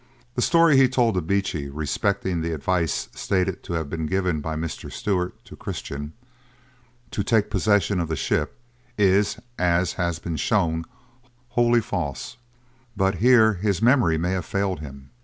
The story he told to Beechey respecting the advice stated to have been given by Mr. Stewart to Christian, 'to take possession of the ship,' is, as has been shown, wholly false; but here his memory may have failed him.